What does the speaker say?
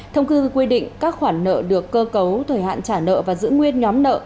thông tư quy định các khoản nợ được cơ cấu thời hạn trả nợ và giữ nguyên nhóm nợ